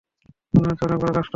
মনে হচ্ছে অনেক বড় কাস্টমার।